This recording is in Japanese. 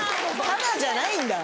タダじゃないんだ。